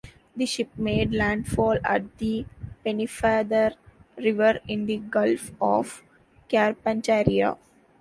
The ship made landfall at the Pennefather River in the Gulf of Carpentaria.